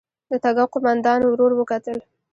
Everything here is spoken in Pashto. د تګاو قوماندان ورور وکتل.